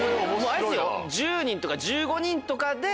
１０人とか１５人とかで。